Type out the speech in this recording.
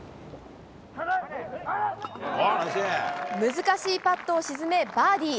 難しいパットを沈め、バーディー。